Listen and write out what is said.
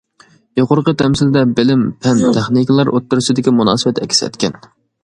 يۇقىرىقى تەمسىلدە بىلىم، پەن، تېخنىكىلار ئوتتۇرىسىدىكى مۇناسىۋەت ئەكس ئەتكەن.